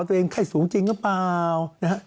ว่าตัวเองไข้สูงจริงก็เปล่า